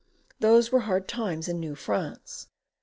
Those were hard times in New France!